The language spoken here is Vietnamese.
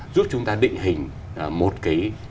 giúp chúng ta định hình một cái